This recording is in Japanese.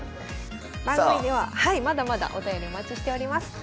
番組ではまだまだお便りお待ちしております。